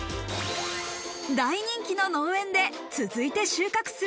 大人気の農園で続いて収穫する